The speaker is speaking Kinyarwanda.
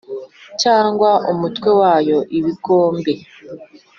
Cyangwa umutwe wayo ibigobe